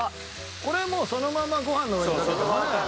これもうそのままご飯の上にかけてもね。